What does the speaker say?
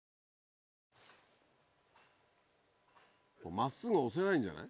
真っすぐ押せないんじゃない？